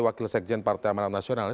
wakil sekjen partai amanat nasional